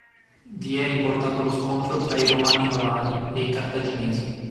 Vi è riportato lo scontro tra i Romani-Nolani e i Cartaginesi.